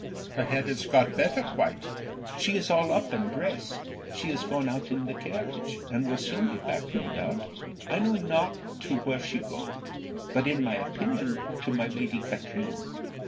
Her head is got better quite. She is all up and dress; she is gone out in the carriage, and will soon be back no doubt. I know not to where she go, but in my opinion to my Lady Katrine.